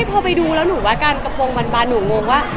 พอไปดูแล้วหนูว่าการกระโปรงบานหนูงงว่า